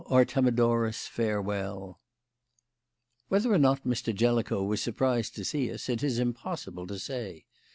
ARTEMIDORUS, FAREWELL!" Whether or not Mr. Jellicoe was surprised to see us, it is impossible to say.